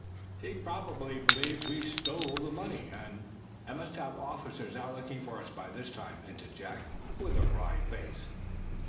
"He probably believes we stole the money, and he must have officers out looking for us by this time," hinted Jack; with a wry face.